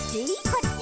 「こっち？」